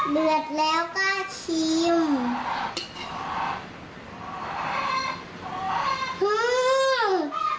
เดือดแล้วก็ชิม